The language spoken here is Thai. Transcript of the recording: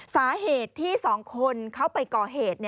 สาเหตุที่๒คนเข้าไปก่อเหตุ